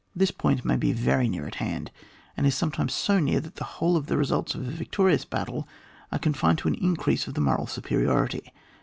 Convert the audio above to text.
This point may be very near at hand, and is sometimes so near that the whole of the results of a victorious battle are confined to an increase of the moral superiority.